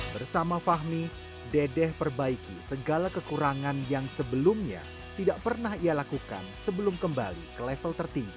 bersama fahmi dedeh perbaiki segala kekurangan yang sebelumnya tidak pernah ia lakukan sebelum kembali ke level tertinggi